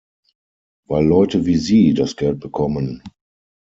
Weil Leute wie Sie das Geld bekommen!